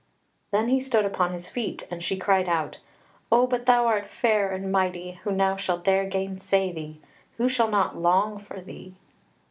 Then he stood upon his feet, and she cried out: "O but thou art fair and mighty, who now shall dare gainsay thee? Who shall not long for thee?"